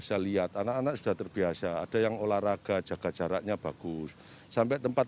saya lihat anak anak sudah terbiasa ada yang olahraga jaga jaraknya bagus sampai tempat